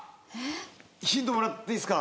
ヒントもらっていいですか？